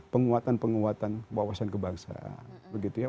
penguatan penguatan wawasan kebangsaan begitu ya